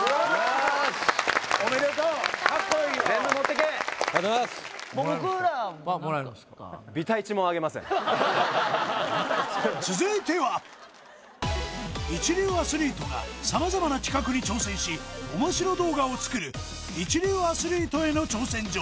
・おめでとう全部持ってけありがとうございます続いては一流アスリートが様々な企画に挑戦しおもしろ動画を作る一流アスリートへの挑戦状